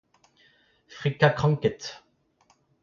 Frikañ kranked